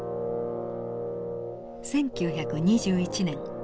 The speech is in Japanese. １９２１年。